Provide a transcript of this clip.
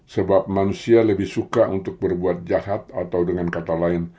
sebab manusia lebih suka untuk berbuat jahat atau dengan kata lain